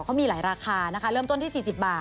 เขามีหลายราคานะคะเริ่มต้นที่๔๐บาท